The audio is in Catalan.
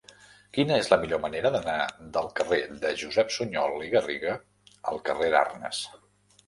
Quina és la millor manera d'anar del carrer de Josep Sunyol i Garriga al carrer d'Arnes?